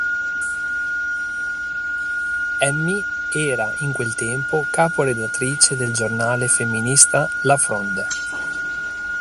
Emmy era in quel tempo capo-redattrice del giornale femminista "La Fronde".